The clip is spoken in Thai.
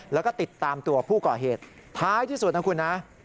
แล้วก็ติดตามตัวผู้ก่อเหตุท้ายที่สุดนะคุณนะ